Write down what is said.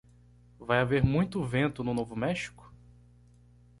Vai haver muito vento no Novo México?